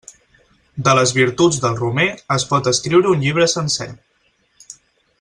De les virtuts del romer es pot escriure un llibre sencer.